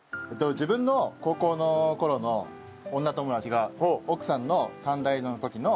自分の高校の頃の女友達が奥さんの短大の時のお友達で。